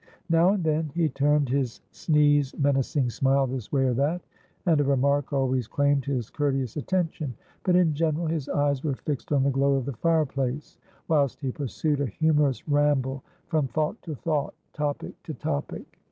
Now and then he turned his sneeze menacing smile this way or that, and a remark always claimed his courteous attention, but in general his eyes were fixed on the glow of the fireplace, whilst he pursued a humorous ramble from thought to thought, topic to topic.